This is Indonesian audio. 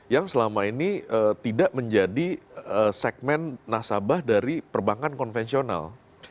yang selama ini tidak menjadi segmen nasabah dari perbankan konvensional